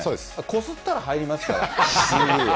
こすったら入りますから。